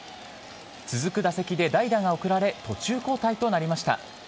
続く打席で代打が送られ途中交代となりました。